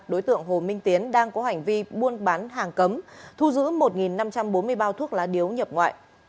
đối tượng hồ minh tiến đang có hành vi buôn bán hàng cấm thu giữ một năm trăm bốn mươi bao thuốc lá điếu nhập ngoại